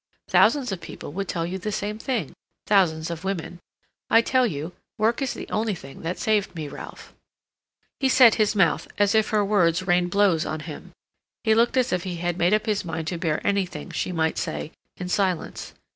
Thousands of people would tell you the same thing—thousands of women. I tell you, work is the only thing that saved me, Ralph." He set his mouth, as if her words rained blows on him; he looked as if he had made up his mind to bear anything she might say, in silence.